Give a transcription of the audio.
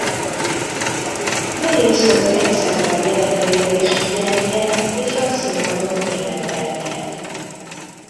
Nehéz volt egyszerre a gyerekeire is figyelnie és a színpadon énekelnie.